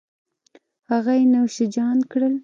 هغه یې نوش جان کړل